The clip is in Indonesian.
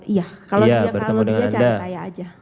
iya kalau dia cari saya aja